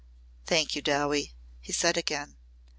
"Thank you, Dowie," he said again.